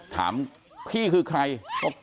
ถามพี่คือใคร